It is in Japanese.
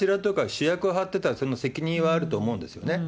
主役張ってたらそれは責任はあると思うんですね。